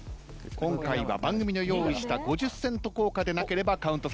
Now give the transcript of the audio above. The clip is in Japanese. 今回は番組の用意した５０セント硬貨でなければカウントされません。